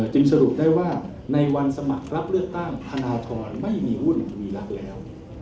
จึงสรุปได้ว่าในวันสมัครรับเลือกตั้งธนทรไม่มีหุ้นมีรัฐแล้ว